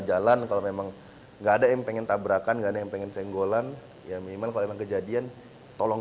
jalan kalau memang enggak ada yang pengen tabrakan yang pengen senggolan yang memang kejadian tolong